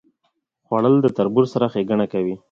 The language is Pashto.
خوړل د تربور سره ښېګڼه کوي